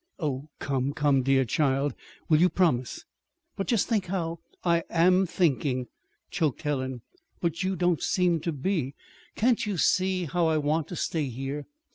"Oh, come, come, my dear child " "Will you promise?" "But just think how " "I am thinking!" choked Helen. "But you don't seem to be. Can't you see how I want to stay here?